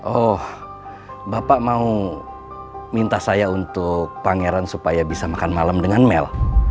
oh bapak mau minta saya untuk pangeran supaya bisa makan malam dengan mel